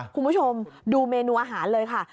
คุณผู้ชมดูเมนูอาหารเลยค่ะ